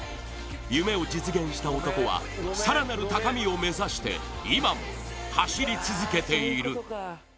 夢を実現した男は更なる高みを目指して今も走り続けている。